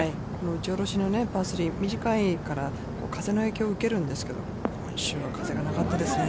打ち下ろしのパー３、短いから、風の影響を受けるんですけど、風がなかったですね。